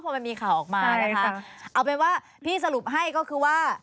พอมันมีข่าวออกมานะคะเอาเป็นว่าที่สรุปให้ก็คือว่า